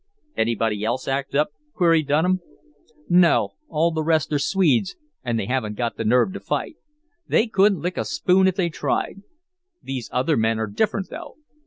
"Anybody else act up?" queried Dunham. "No; all the rest are Swedes and they haven't got the nerve to fight. They couldn't lick a spoon if they tried. These other men are different, though.